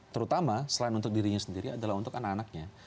terutama selain untuk dirinya sendiri adalah untuk anak anaknya